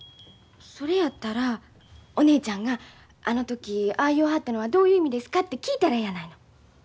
それやったらお姉ちゃんがあの時ああ言わはったのはどういう意味ですかって聞いたらえやないの。